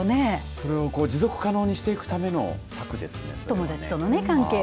それを持続可能にしていくための策ですね。